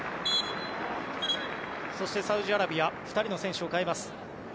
そして、サウジアラビア２人の選手を代えます。